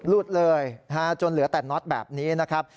หลุดเลยจนเหลือแต่น็อตแบบนี้นะครับ